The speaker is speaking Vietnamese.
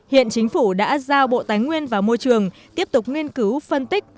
hiện chính phủ đã giao bộ tài nguyên và môi trường tiếp tục nghiên cứu phân tích